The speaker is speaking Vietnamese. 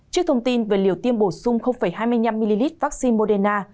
trước thông tin về liều tiêm bổ sung hai mươi năm ml vaccine moderna